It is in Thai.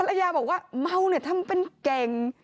ภรรยาบอกว่าเมาเนี่ยทำเป็นเก่ง